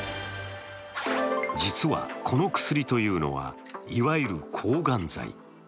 実はこの薬というのはいわゆる抗がん剤。